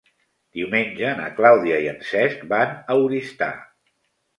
Diumenge na Clàudia i en Cesc van a Oristà.